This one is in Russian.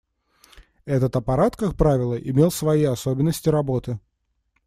Этот аппарат, как правило, имел свои особенности работы.